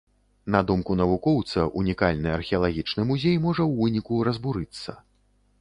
На думку навукоўца, унікальны археалагічны музей можа ў выніку разбурыцца.